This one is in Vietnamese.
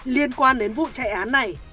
liên quan đến vụ chạy án này